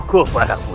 aku tidak mau